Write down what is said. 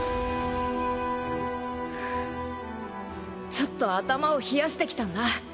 ちょっと頭を冷やしてきたんだ。